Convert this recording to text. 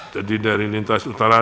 jadi dari lintas utara